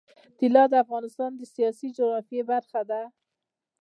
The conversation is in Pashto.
طلا د افغانستان د سیاسي جغرافیه برخه ده.